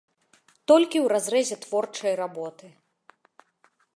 Толькі ў разрэзе творчай работы.